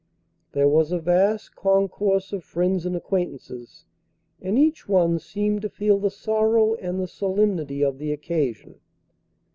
There was a vast concourse of friends and acquaintances, and each one seemed to feel the sorrow and the solemnity of the occasion.